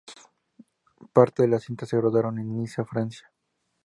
Partes de la cinta se rodaron en Niza, Francia.